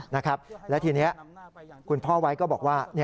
นะครับแล้วทีนี้คุณพ่อไว้ก็บอกว่า